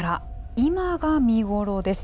今が見頃です。